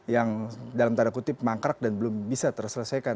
yang dalam tanda kutip mangkrak dan belum bisa terselesaikan